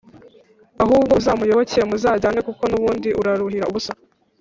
ahubwo uzamuyoboke muzajyane kuko nubundi uraruhira ubusa,